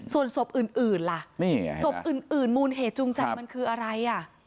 ส่วนศพอื่นล่ะนี่ไงศพอื่นมูลเหตุจูงใจมันคืออะไรอ่ะ